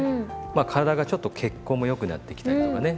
まあ体がちょっと血行も良くなってきたりとかね。